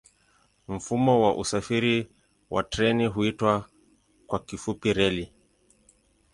Mfumo wa usafiri kwa treni huitwa kwa kifupi reli.